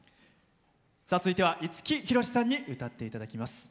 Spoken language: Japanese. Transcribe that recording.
続いては、五木ひろしさんに歌っていただきます。